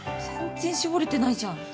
全然絞れてないじゃん。